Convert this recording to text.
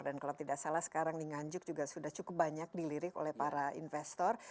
dan kalau tidak salah sekarang di nganjuk juga sudah cukup banyak dilirik oleh para investor